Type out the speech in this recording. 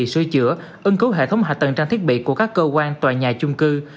sôi chữa ưng cấu hệ thống hạ tầng trang thiết bị của các cơ quan tòa nhà chung cư